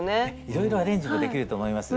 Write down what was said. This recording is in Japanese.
いろいろアレンジもできると思います。